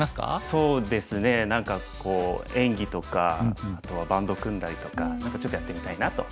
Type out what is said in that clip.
そうですね何かこう演技とかあとはバンド組んだりとか何かちょっとやってみたいなと。